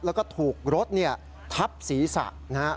แล้วก็ถูกรถทับศีรษะนะครับ